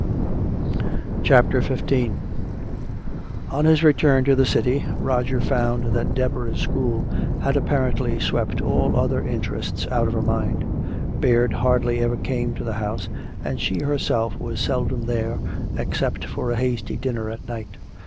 CHAPTER XV On his return to the city, Roger found that Deborah's school had apparently swept all other interests out of her mind. Baird hardly ever came to the house, and she herself was seldom there except for a hasty dinner at night.